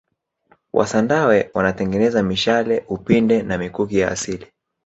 wasandawe wanatengeneza mishale upinde na mikuki ya asili